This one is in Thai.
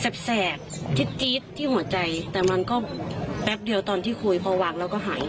แซบแซบทิ๊ดทิ๊ดที่หัวใจแต่มันก็แป๊บเดียวตอนที่คุยพอหัวแล้วก็หาย